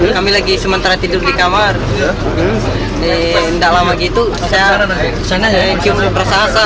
kami lagi sementara tidur di kamar dan tidak lama begitu saya kiam persahasa